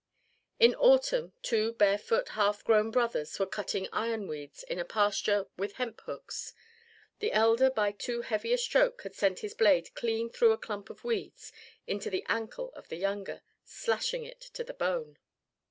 In autumn two barefoot half grown brothers were cutting ironweeds in a pasture with hemphooks; the elder by too heavy a stroke had sent his blade clean through a clump of weeds into the ankle of the younger, slashing it to the bone.